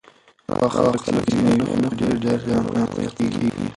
هغه خلک چې مېوې نه خوري ډېر ژر په ناروغیو اخته کیږي.